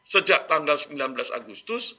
sejak tanggal sembilan belas agustus